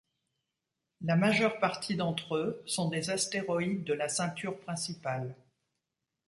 La majeure partie d'entre eux sont des astéroïdes de la ceinture principale.